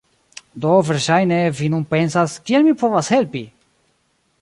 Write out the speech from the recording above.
Do verŝajne vi nun pensas, "Kiel mi povas helpi?"